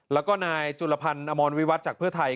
แล้วก็นายจุลพันธ์อมรวิวัตรจากเพื่อไทย